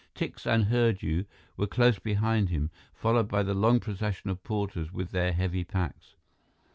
Tikse and Hurdu were close behind him, followed by the long procession of porters with their heavy packs.